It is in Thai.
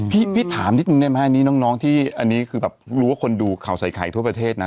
พี่พี่ถามนิดหนึ่งได้มั้ยน้องนี่คือแบบรู้ว่าคนดูข่าวสายขายทั่วประเทศน่ะ